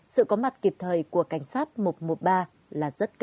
sự có mặt kịp thời của cảnh sát một trăm một mươi ba là rất cần